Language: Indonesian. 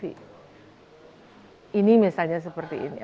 ini misalnya seperti ini